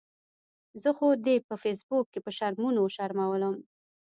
زه خو دې په فیسبوک کې په شرمونو وشرمؤلم